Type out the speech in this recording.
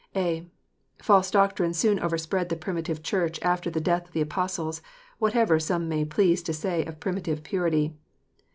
(a) False doctrine soon overspread the Primitive Church after the death of the Apostles, whatever some may please to say of primitive purity.